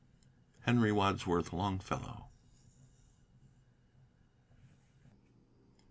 HENRY WADSWORTH LONGFELLOW.